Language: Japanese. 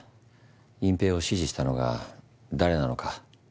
隠蔽を指示したのが誰なのか。